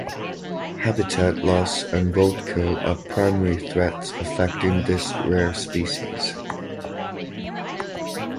Habitat loss and Roadkill are primary threats affecting this rare species.